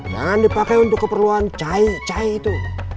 jangan dipakai untuk keperluan cahik cahik itu